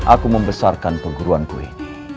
aku membesarkan perguruan ku ini